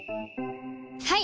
はい！